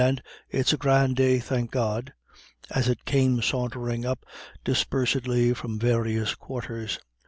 and "It's a grand day, thank God," as it came sauntering up dispersedly from various quarters.